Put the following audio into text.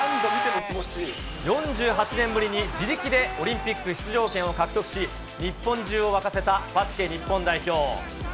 ４８年ぶりに自力でオリンピック出場権を獲得し、日本中を沸かせたバスケ日本代表。